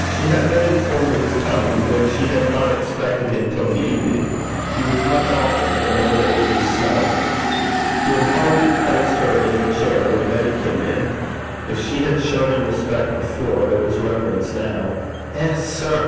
She had been informed of his coming, but she had not expected him till the evening; he was much altered, and old age is slow. He had hardly placed her in her chair, when Betty came in. If she had shown him respect before, it was reverence now. 'Eh, sir!'